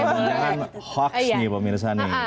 jangan jangan hoax nih pemirsa nih